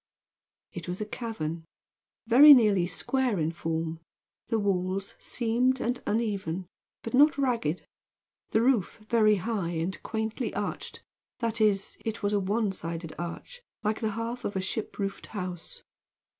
It was a cavern, very nearly square in form; the walls seamed and uneven, but not ragged; the roof very high and quaintly arched, that is, it was a one sided arch, like the half of a ship roofed house.